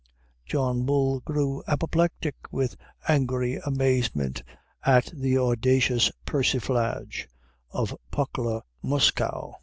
_ John Bull grew apoplectic with angry amazement at the audacious persiflage of Pückler Muskau.